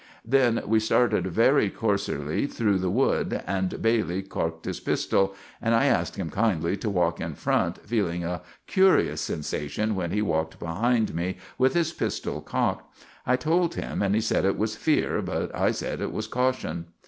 Then we started very corsiously through the wood, and Bailey cocked his pistell, and I asked him kindly to walk in front, feeling a curious sensashun when he walked behind me with his pistell cocked. I told him, and he sed it was fear, but I sed it was kaution.